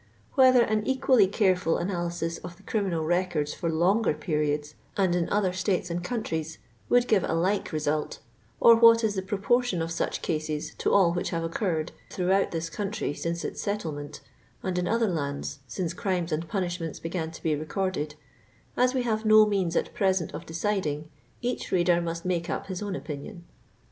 Whether an equally careful analy« sis of the criminal records for longer periods and in other states and countries would give a like result, or what is the proportion of such cases to all which have occurred throughout this country since its settlement, and in other lands since crimes and punishments began to be recorded, as we have no means at present of deciding, each reader must make up III own opinion.